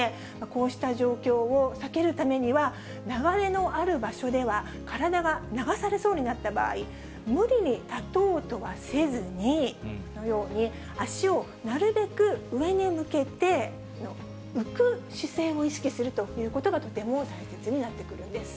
こうした状況を避けるためには、流れのある場所では、体が流されそうになった場合、無理に立とうとはせずに、このように足をなるべく上に向けて、浮く姿勢を意識するということが、とても大切になってくるんです。